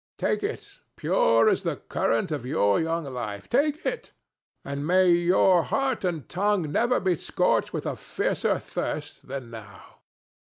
Take it, pure as the current of your young life. Take it, and may your heart and tongue never be scorched with a fiercer thirst than now!